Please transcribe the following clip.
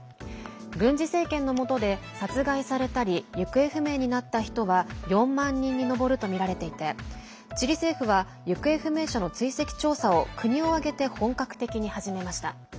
軍事政権のもとで殺害されたり行方不明になった人は４万人に上るとみられていてチリ政府は行方不明者の追跡調査を国を挙げて本格的に始めました。